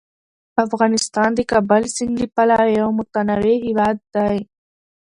افغانستان د کابل سیند له پلوه یو متنوع هیواد دی.